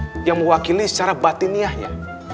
ada yang mewakili secara batin niahnya